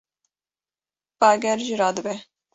Bager jî radibe